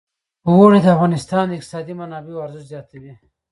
اوړي د افغانستان د اقتصادي منابعو ارزښت زیاتوي.